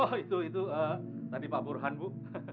oh itu tadi pak burhan bu